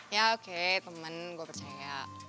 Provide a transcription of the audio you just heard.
ya oke temen gue percaya